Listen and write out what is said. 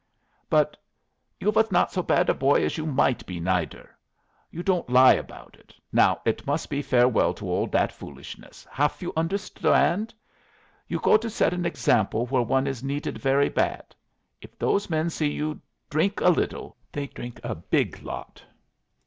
"But you was not so bad a boy as you might be, neider. You don't lie about it. Now it must be farewell to all that foolishness. Haf you understand? You go to set an example where one is needed very bad. If those men see you drink a liddle, they drink a big lot.